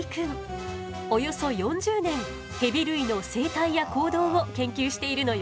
およそ４０年ヘビ類の生態や行動を研究しているのよ。